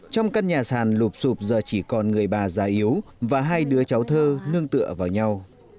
trong căn nhà sàn lụp sụp giờ chỉ còn người bà già yếu và hai đứa cháu thơ nương tựa vào nhau